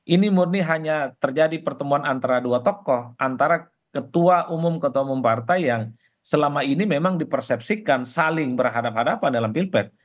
ini murni hanya terjadi pertemuan antara dua tokoh antara ketua umum ketua umum partai yang selama ini memang dipersepsikan saling berhadapan hadapan dalam pilpres